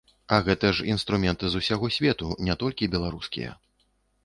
А гэта ж інструменты з усяго свету, не толькі беларускія.